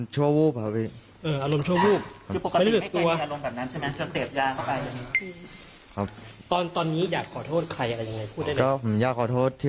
ชั่ววูบครับพี่